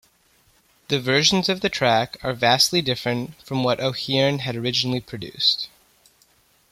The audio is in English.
The versions of the tracks are vastly different from what O'Hearn had originally produced.